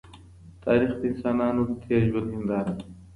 تاریخ د انسانانو د تېر ژوند هنداره ده.